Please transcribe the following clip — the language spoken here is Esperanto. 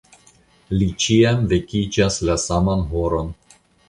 Li ĉiam vekiĝas la saman horon.